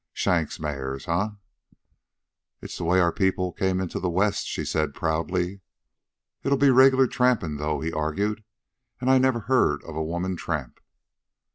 "Shank's mare, eh?" "It's the way our people came into the West," she said proudly. "It'll be regular trampin', though," he argued. "An' I never heard of a woman tramp."